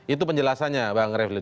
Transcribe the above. itu penjelasannya bang revli